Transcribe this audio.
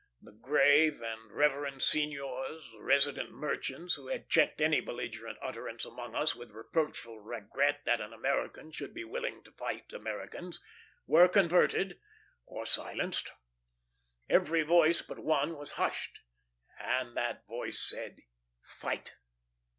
The grave and reverend seigniors, resident merchants, who had checked any belligerent utterance among us with reproachful regret that an American should be willing to fight Americans, were converted or silenced. Every voice but one was hushed, and that voice said, "Fight."